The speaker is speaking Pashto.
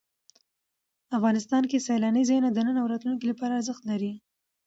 افغانستان کې سیلانی ځایونه د نن او راتلونکي لپاره ارزښت لري.